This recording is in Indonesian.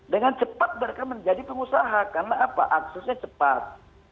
dengan cepat mereka menjadi pengusaha karena apa aksesnya cepat